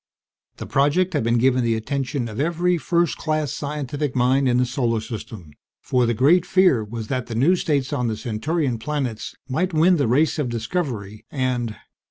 The project had been given the attention of every first class scientific mind in the Solar System; for the great fear was that the new states on the Centaurian planets might win the race of discovery and